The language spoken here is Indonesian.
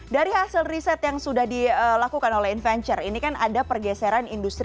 dari hasil riset yang sudah dilakukan oleh inventure ini kan ada pergeseran industri